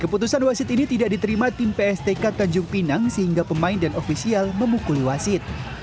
keputusan wasit ini tidak diterima tim pstk tanjung pinang sehingga pemain dan ofisial memukuli wasit